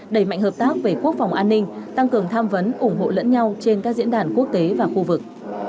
đẩy mạnh hợp tác về quốc phòng an ninh tăng cường tham vấn ủng hộ lẫn nhau trên các diễn đàn quốc tế và khu vực